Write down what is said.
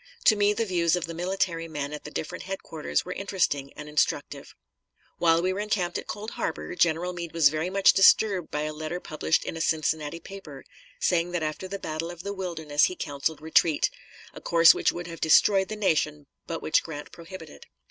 To me the views of the military men at the different headquarters were interesting and instructive. While we were encamped at Cold Harbor, General Meade was very much disturbed by a letter published in a Cincinnati paper, saying that after the battle of the Wilderness he counselled retreat a course which would have destroyed the nation, but which Grant prohibited.